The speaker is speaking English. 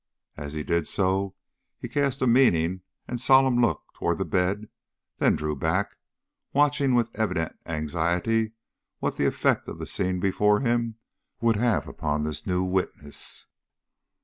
As he did so, he cast a meaning and solemn look toward the bed, then drew back, watching with evident anxiety what the effect of the scene before him would have upon this new witness.